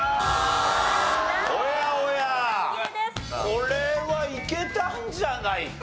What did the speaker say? これはいけたんじゃないか？